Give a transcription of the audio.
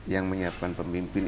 yang menyiapkan pemimpin